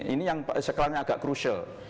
ini yang sekarang agak crucial